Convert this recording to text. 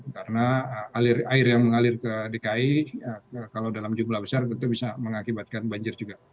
karena air yang mengalir ke dki kalau dalam jumlah besar tentu bisa mengakibatkan banjir juga